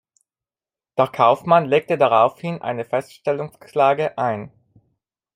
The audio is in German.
Der Kaufmann legte daraufhin eine Feststellungsklage ein.